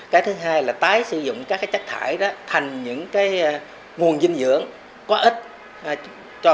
cái thứ hai là tái sử dụng các cái chất thải đó thành những cái nguồn dinh dưỡng có ích